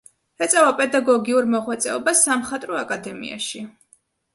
ეწევა პედაგოგიურ მოღვაწეობას სამხატვრო აკადემიაში.